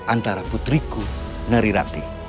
antara putriku nari rati